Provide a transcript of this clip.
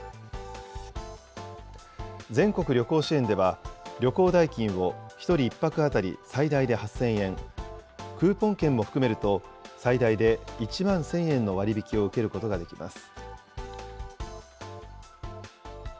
全国旅行支援では、旅行代金を１人１泊当たり最大で８０００円、クーポン券も含めると、最大で１万１０００円の割引を受けることができます。